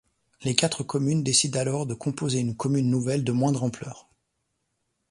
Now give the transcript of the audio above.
Les quatre communes décident alors de composer une commune nouvelle de moindre ampleur.